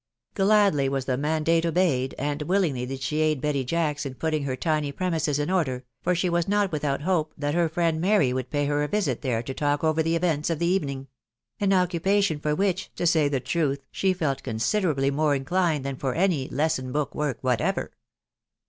Gladly was the mandate obeyed, and willingly did she aid Betty Jacks in putting her tiny premises in order, for she was not# without hope that her friend Mary would pay her a visit there to talk over the events of the evening ; an occupa tion for which, to say the truth, she felt considerably more in clined than for any " lesson book work " whatever.